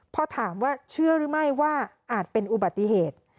พอถามว่าเชื่อหรือไม่ว่าอาจเป็นอุบัติเหตุ